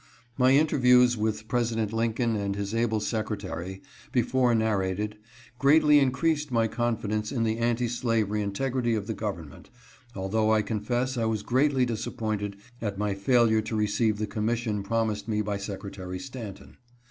My interviews with President Lincoln and his able Secretary, before narrated, greatly increased my confi dence in the anti slavery integrity of the government, although I confess I was greatly disappointed at my fail ure to receive the commission promised me by Secretary Stanton.